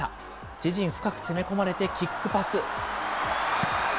自陣深く攻め込まれて、キックパス。